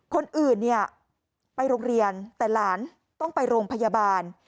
คนอื่นเนี่ยไปโรงเรียนแต่หลานต้องไปโรงพยาบาล